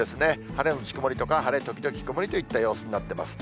晴れ後曇りとか、晴れ時々曇りといった様子になってます。